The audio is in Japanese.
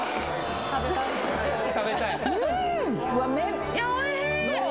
めっちゃおいしいどう？